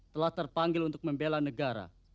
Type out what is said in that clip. telah terpanggil untuk membela negara